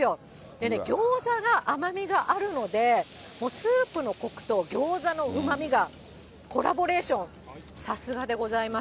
でね、餃子が甘みがあるので、スープのこくと餃子のうまみがコラボレーション、さすがでございます。